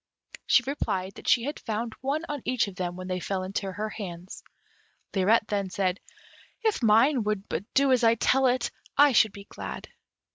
She replied that she had found one on each of them when they fell into her hands. Lirette then said, "If mine would but do as I tell it, I should be glad."